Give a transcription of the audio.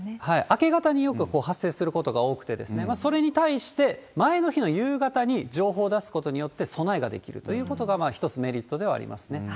明け方によく発生することが多くて、それに対して、前の日の夕方に情報出すことによって備えができるということが、一つメリットではありますね。